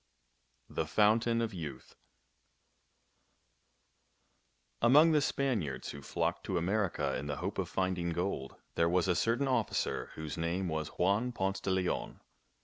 THE FOUNTAIN OF YOUTH Among the Spaniards who flocked to America in the hope of finding gold, there was a certain officer whose name was Juan Ponce de Leon.